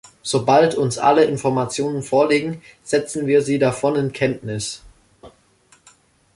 Sobald uns alle Informationen vorliegen, setzen wir Sie davon in Kenntnis.